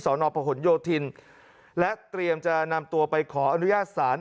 นพหนโยธินและเตรียมจะนำตัวไปขออนุญาตศาล